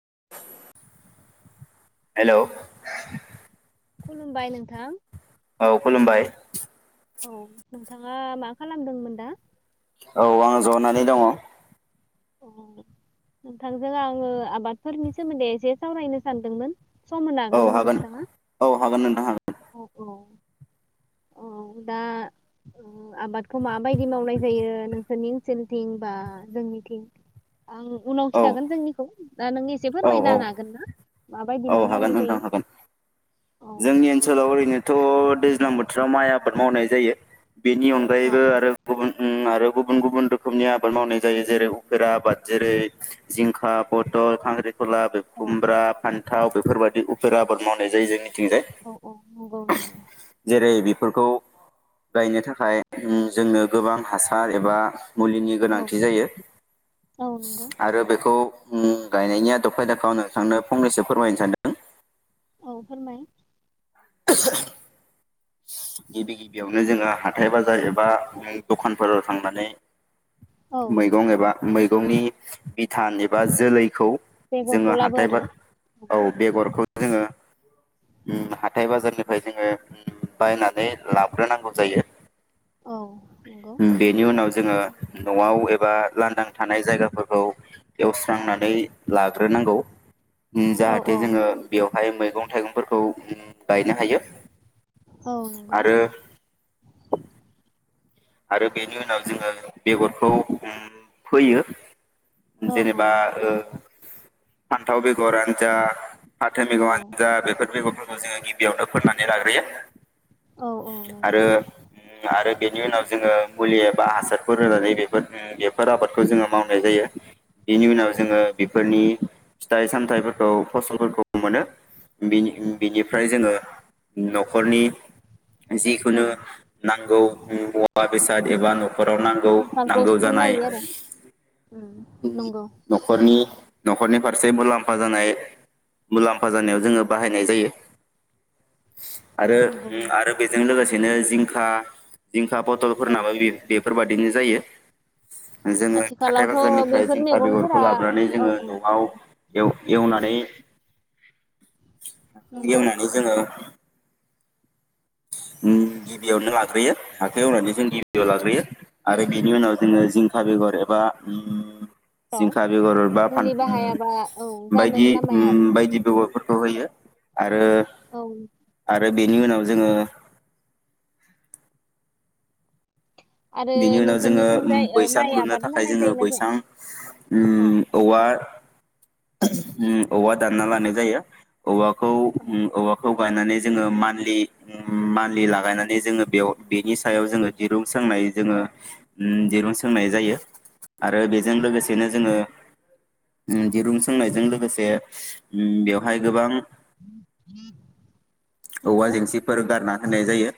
[inaudible] Hello खुलुमबाय नोंथां औ खुलुमबाय औ नोंथाङा मा खालामदोंमोन दा? औ आं जनानै दङ। नोंथांजों आङो आबादफोरनि सोमोन्दै एसे सावरायनो सानदोंमोन। सम होनो हागोन नामा नोंथाङा? औ हागोन नोंथां हागोन औ दा आबादखौ माबायदि मावनाय जायो नोंसोरनि ओनसोलथिं बा जोंनिथिं आं उनाव औ खिथागोन जोंनिखौ। दा नों एसे औ फोरमायनो औ हागोन ना माबायदि औ मा हागोन मावनाय नोंथां जायो? हागोन। औ जोंनि ओनसोलाव ओरैनोथ दैज्लां बोथोराव माइ आबाद मावनाय जायो। बेनि औ अनगायैबो आरो गुबुन उम आरो गुबुन गुबुन रोखोमनि आबाद मावनाय जायो जेरै उफेरा आबाद जेरै जिंखा, पथल, खांख्रि खला औ खुमब्रा फान थाव बेफोरबायदि उफेरा आबाद मावनाय जायो जोंनि थिंजाय, औ औ नंगौ नंगौ जेरै बेफोरखौ गायनो थाखाय उम जोंनो गोबां हासार एबा मुलिनि औ गोनांथि जायो औ नंगौ आरो बेखौ गायनायनि आथ खायदाखौ आं नों थांनो फंनैसो फोरमायनो सानदों। औ फोरमाय [inaudible] गिबि गिबियावनो जोङो हाथाय बाजार एबा दखानफोराव थांनानै औ मैगं एबा मै गंनि बिथान एबा जोलैखौ बेगरखौ जोङो लाबो हाथाय आरो बाजाराव औ बेगरखौ जोङो उम हाथाय बाजारनिफ्राय जोङो बायनानै लाग्रोनांगौ जायो। औ नंगौ बेनि उनाव जोङो नआव एबा लांदां थानाय जायगाफोरखौ एवस्रांनानै लाग्रोनांगौ औ औ जाहाथे जोङो बेयाव हाय मैगं थाइगंफोरखौ गायनो हायो। औ नंगौ। आरो आरो बेनि उनाव जोङो बेगरखौ उम फोयो औ औ जेनेबा ओ फानथाव बेगरथ आनो जा फाथो औ मैगंआनो जा बेफोर बेगरफोर खौ‌ जोङो गिबियावनो फोनानै लाग्रोयो औ औ नंगौ आरो उम आरो बेनि उनाव जोङो मुलि एबा हासारफोर होनानै बेफोर बेफोर आबादखौ जोङो मावनाय जायो। बेनि औ उनाव जोङो बेफोरनि फिथाइ सामथाइफोरखौ फसलफोरखौ मोनो बिनिफ्राय जोङो नखरनि औ जिखुनु नांगौ [unintelligible] मुवा बेसाद एबा न खराव नांगौ आंखालखौ नांगौ सुफुंनो जानाय हायो आरो उम नंगौ नि नखरनि फारसे मुलाम्फा जानाय मुलाम फा जानायाव जोङो बाहायनाय जायो। आरो नंगौ आरो बेजों लोगोसे बिदिनो जिंखा जिंखा पथलफोर औ नाबो बे-बेफोरबादि बेनो जायो। जोङो हाथाय आथिखालावथ' बे बाजारनिफ्राय जिंखा बेगरखौ लाबोनानै जोङो नआव एव-एवनानै हाखौ नंगौ एवनानै जोङो उम गिबियावनो लाग्रोयो हाखौ एवनानै जों गिबियाव लाग्रोयो आरो बेनि उनाव जोङो जिंखा बेगर एबा उम र जिंखा बेगर बा फान मुलि उम बाहायाबा औ बायदि जानोनो नामाया आरो उम बायदि बेगर फोर औ होयो। आरो औ आरो बेनि उनाव जोङो आरो बेनि उनाव उम्म जोंङो नोंसोरनिथिंजाय ओ बैसां माइ लुनो आबाद थाखाय मावनाय जोंङो जायोना जाया बैसां औ उम्म औवा उम्म औवा दानना लानाय जायो। औवाखौ औ उम्म औवाखौ [unintelligible] नानै जोंङो मानलि ओ मानलि लागायनानै जोंङो बेयाव बेनि सायाव जोङो दिरुं सोंनाय जोंङो उम्म दिरुं सोंनाय जायो। आरो बेजों लोगोसेनो जोंङो उम्म दिरुं सोंनायजों लोगोसे उम्म बेवहाय औ गोबां औवा नंगौ जेंसिफोर गार ना होनाय जायो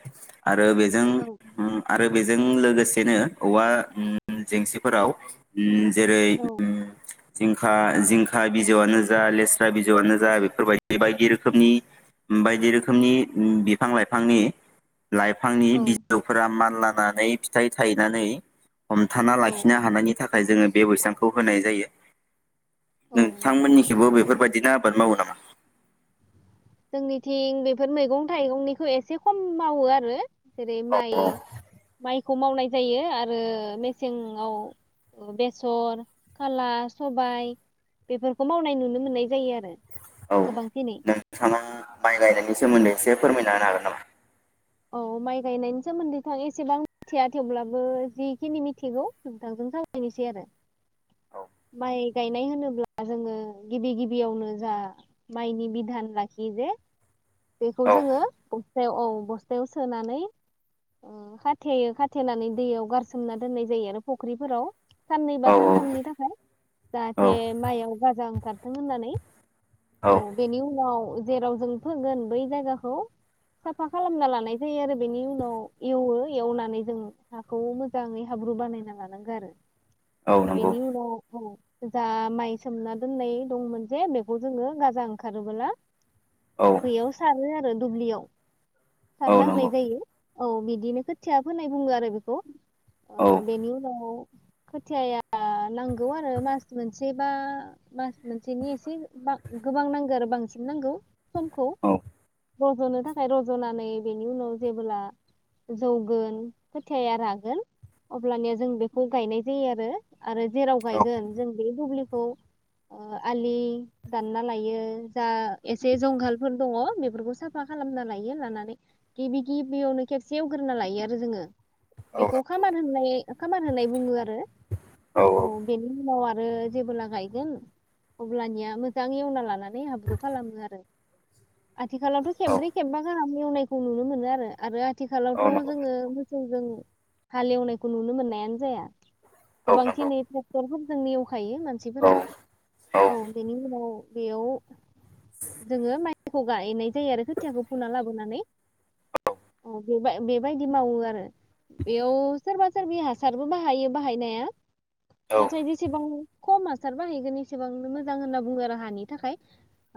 आरो बेजों औ उम्म आरो बेजो जों लोगोसेनो औवा उम्म जेंसिफोराव उम्म जेरै औ उम्म जिंखा जिंखा बिजौआनो जा लेस्रा बिजौआनो जा बेफोरबायदि बायदि रोखोमनि बायदि रो खोमनि बिफां लाइफांनि लाइफांनि औ बिजौफोरा मानला नानै फिथाइ थायनानै हमथाना औ लाखिनो हानायनि थाखाय जोङो बे बैसांखौ होनाय जायो। नंगौ नंगौ नोंथांमोननिखिबो बेफोरबायदिना बाद मावो नामा जोंनिथिं बेफोर मैगं थाइगंनिखौ एसे खम मावो आरो जेरै औ माइ औ माइखौ मावनाय जायो आरो मेसेंआव ओ बेसर, खाला, सबाय बेफोरखौ मावनाय नुनो मोननाय जायो आरो। औ गोबांसिनै नोंथाङा माइ गायनायनि सोमोन्दै एसे फोरमायना होनो हागोन नामा? औ माइ गायनायनि सोमोन्दैथ' आं एसेबां मिथिया थेवब्लाबो जिखिनि मिथिगौ नोंथांजों सावायनोसै आरो। माइ गायनाय होनोब्ला जोङो गिबि गिबियावनो जा माइनि बिधान लाखियो जे बेखौ जोङो बे [unintelligible] औ बस्थायाव सोनानै ओ खाथेयो खाथेनानै दैयाव गारसोमना दोननाय जायो आरो फुख्रिफोराव साननै हागोन नामा? औ बा सानथामनि थाखाय औ जाहाथे माइयाव गाजा ओं खारथों होननानै औ बेनि उनाव जेराव जों फोगोन बै जायगाखौ साफा खालामना लानाय जायो आरो बेनि उनाव एवो एवनानै जों हाखौ मोजाङै हाब्रु बानायना लानांगो आरो। औ नंगौ बेनि उनाव औ जा माइ सोमना दोननाय दंमोन जे बेखौ जोङो गाजा ओंखारोबोला औ बैयाव सारो आरो दुब्लियाव औ सारना होनाय नंगौ जायो औ बिदिनो खोथिया फोनाय बुङो आरो बेखौ औ ओ बेनि उनाव खोथियाया नांगौ आरो मास मोनसे बा मास मोनसेनि एसे बा-गोबां नांगौ आरो बांसिन नांगौ समखौ। औ रज'नो थाखाय रज'नानै बेनि उनाव जेबोब्ला जौगोन खोथियाया रागोन अब्लानिया जों बेखौ गायनाय जायो आरो आरो जेराव गायगोन जों बे दुब्लिखौ आलि दानना लायो जा एसे जंगालफोर दङ। बेफोरखौ साफा खालामना लायो। लानानै गिबि गिबियावनो खेबसे एवग्रोना लायो आरो जोङो। बेखौ खामार होनो नाय खामार होननाय बुङो आरो औ बेनि उनाव आरो जेबोब्ला गायगोन अब्लानिया मोजां एवना लानानै हाब्रु खालामो आरो। आथिखालावथ' औ खेबब्रै खेबबा गाहाम एवनायखौ नुनो मोनो आरो। आरो आथिखालावथ' औ नंगौ जोङो जोंजों हालेवनायखौ नुनो मोननायानो जाया औ गोबांसिन नंगौ नै ट्रेक्टरफोरजोंनो एवखायो औ मानसिफोरा औ बेनि उनाव बेयाव जोङो माइ खौ गायनाय जायो आरो खोथियाखौ फुना लाबोनानै बे बेबा-बेबायदि मावो आरो बेयाव सोरबा सोरबि हासारबो बाहायो बाहायनाया नाथाय जेसेबां खम हासार बाहायगोन एसेबांनो मोजां होनना बुङो आरो हानि थाखाय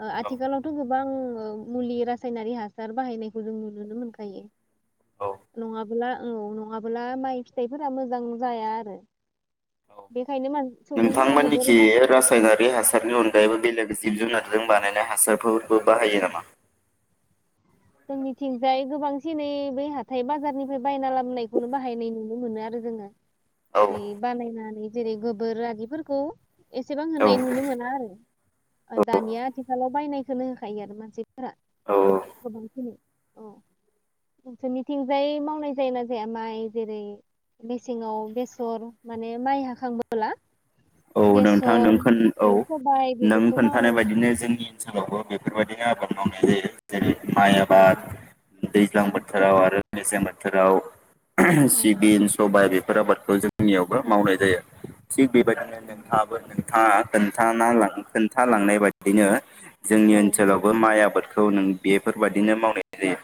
ओ आथिखालावथ' गो बां मुलि रासाइनारि हासार बाहायनायखौ जों नुुनो मोनखायो नङाब्ला औ नङाबो माइ फिथाइफोरा मोजां जाया आरो। बे नोंथांमोनखि रासायनारि हासारनि अनगायैबो बेलेग जिब जुनार जों बानायनाय हासारफोरबो बाहायो नामा? जोंनिथिंजाय गोबांसिनै बै हाथाय बाजारनिफ्राय बायना लाबोनायखौनो बाहायनाय नुनो मोनो आरो जोङो। औ ओरै बानायनानै जेरै गोबोर आरिफोरखौ एसेबां औ होननाय नुनो मोना आरो दानिया आथिखालाव बायनायखोनो होखायो आरो मानसिफोरा। औ औ। गोबांखिनि औ नोंसोरनिथिंजाय मावनाय जायो ना जाया माइ जेरै मेसेङाव बेसर माने माइ हाखांबोला? औ नोंथां नों बेसर खोन औ सबाय नों बेफोरखौ खोन्थानाय मावो बायदिनो जोंनि ओनसोलावबो बेफोरबायदि आबाद मावनाय जायो। जेरै माइ औ आबाद औ दैज्लां बोथोराव आरो मेसें बोथोराव सिबिन सबाय बेफोर आबाद खौ जों नियावबो औ मावनाय जायो थिग बेबायदिनो नों नोंंथाङा खोनथानालां खोन्थालांनाय बायदिनो जोंनि औ ओनसोलावबो माइ आबाद खौ नों बेफोरबादिनो मावनाय जायो।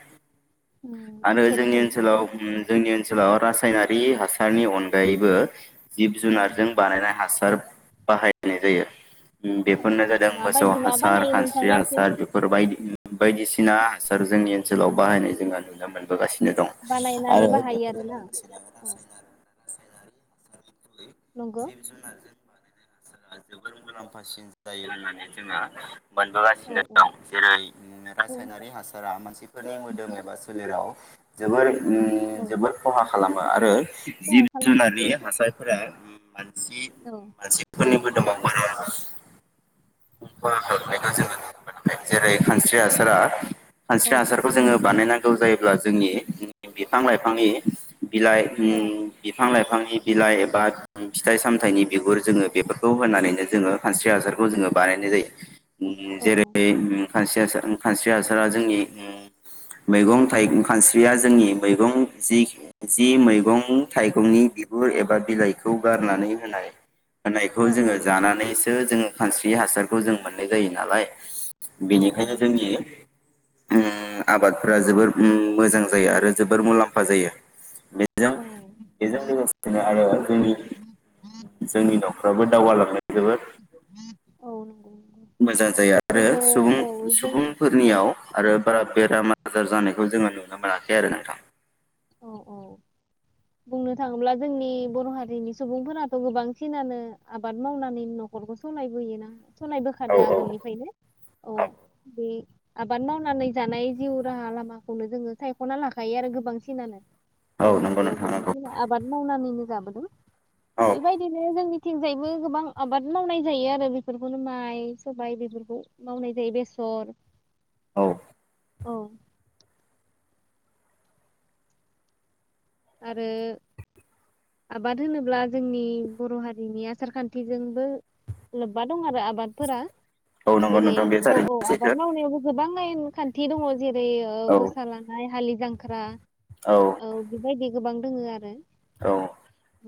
उम, आरो एखे जोंनि रोखोम ओनसोलाव ओम जोंनि ओनसोलाव राज सायनारि हासारनि अनगायैबो जिब औ जुनारजों बानायनाय हासार बाहायनाय जायो। ओ औ बेफोरनो जादों मोसौ माबायदि मा हासार बानायो खानस्रि नोंथाङा एसे हासार मिथि बेफोरबायदिनो बायदिसिना हासार जोंनि ओनसोलाव बाहायनाय जोंहा नु नुनो मोनबोगासिनो दं बानायनानै आरो बाहायो बेफोरजों आरोना? लोगोसेनो रासायनारि औ [inaudible] जुदि नंगौ जिब जुनारजों जोंहा मुलाम्फासिन जायो होननानै जोंहा औ मोनबोगासिनो औ दं जेरै उम औ रासायनारि हासारा मोनसे बेफोरनि मोदोम एबा सोलेराव जोबोर ओम औ जोबोर खहा खालामो आरो जिब खहा खालामो जुनारनि हासार फोरा उम मान सि औ उम जिब [unintelligible] जोङो नुनो मोनाखै जेरै खानस्रि हासारा औ खानस्रि औ हासारखौ जोङो बानायनांगौ जायो। अब्ला जोंनि जोंनि बिफां औ लाइफांनि बिलाइ ओम बिफां लाइफां बिफांनि बिलाइ एबा फिथाइ सामथानि बिगुर जोङो बेफोरखौ होनानैनो जोङो खानस्रि हासारखौ जोङो बानायनाय जायो। ओम औ जेरै ओम खानस्रि हासार उ खानस्रि हासारा जोंनि ओम मैगं थाइ खानस्रिया जोंनि मैगं जि जि मैगं थाइगंनि बिगुर औ एबा बिलाइ खौ गारनानै होनाय होनायखौ औ जोङो औ नंगौ जानानैसो जोङो खानस्रि हासारखौ जों मोननाय जायो नालाय। औ औ बेनिखायनो जोंनि ओम आबादफोरा जोबोर उम मोजां जायो आरो जोबोर मुलाम्फा जायो। बेजों औ बेजों लोगोसेनो आरो जोंनि जोंनि न रावबो दावगालांनो औ नंगौ नंगौ मोजां जायो आरो जोङो औ जों औ सुबुं-सुबुंफोरनियाव आरो बारा बेराम आजार जानाय बेखौ जोङो नुनो मोनाखै आरो नोंथां। अ अ बुंनो थाङोब्ला जोंनि बर' हारिनि सुबुंफोराथ गोबांसिनानो आबाद मावनानै नखरखौ सलायबोयोना। औ सोलायबोखादो औ आगोलनिफ्रायनो औ बे आबाद मावनानै जानाय जिउ राहा लामाखौनो जोङो सायखना लाखायो आरो गोबांसिन नानो। औ बर' नंगौ हारियाव नोंथां नंगौ गोबांसिन आबाद मावनानैनो जाबो [unintelligible] औ बेबायदिनो जोंनि थिंजायबो गोबां आबाद मावनाय जायो आरो बेफोरखौनो माइ सबाय बेफोरखौ मावनाय जायो बेसर। औ। औ। आरो आबाद होनोब्ला जोंनि बर' हारिनि आसार खान्थिजोंबो लोब्बा दं आरो आबादफोरा औ नंगौ जेरै नोंथां बे औ औ थारैनो सैथो आबाद मावनायावबो गोबां लाइन खान्थि दङ जेरै औ गसा लानाय हालि जांख्रा औ। दि गोबां दोङो आरो। औ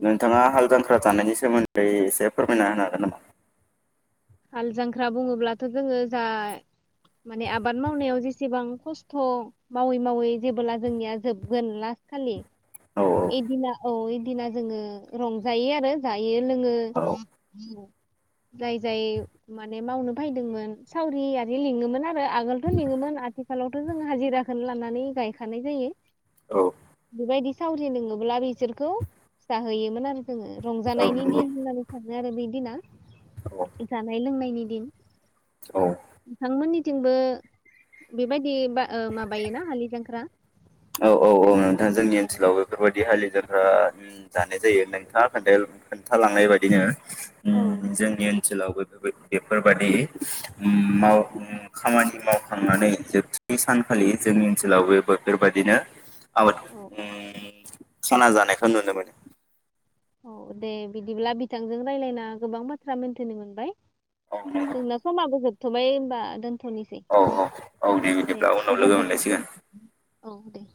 औ नोंथाङा हालजांख्रा जानायनि सोमोन्दै एसे फोरमायना होनो हागोन नामा? हाल जांख्रा बुङोब्लाथ जोङो जा माने आबाद मावनायाव जेसेबां खस्थ मावै मावै जेबोला जोंनिया जोबगोन लास्ट खालि औ इदिना औ इदिना जोङो रंजायो आरो जायो लोंङो औ औ। जाय जाय माने मावनो फायदोंमोन सावरि लिङोमोन आ आगोलथ लिङोमोन आथिखालाव जों हाजिराखोनो लानानै गायखानाय जायो। औ बिबायदि सावरि लिङोब्ला बिसोरखौ जाहोयोमोन आरो। जोङो औ रंजानायनि नंगौ दिन होननानै सानो। जा आरो बिदिना। जानाय लोंनायनि दिन। औ नोंथां मोननि थिंबो बेबायदि बा ओ माबायोना हालि जांख्रा औ औ औ फालियो नोंथां जोंनि औ ओनसोलाव बेफोरबायदि हालि जांख्रा जानाय जायो नोंथाङा खोन्थालांनाय बायदिनो औ उम जोंनि ओन ओनसोलावबो बेफो-बेफोरबायदि उम माव औ उम खामानि माव थांनानै जोबथि सानखालि जोंनि ओनसोलाव बे [unintelligible] बाय बिदिनो औ साना जानायखौ नुनो मोनो औ दे बिदिब्ला बिथांजों रायज्लायना गोबां बाथ्रा मोनथिनो मोनबाय औ नंगौ जोंना समाबो जोब थोबाय होमबा दोन थनोसै औ औ औ दे बिदिब्ला उनाव लोगो गोजोन्थों मोनलायसिगोन। औ दे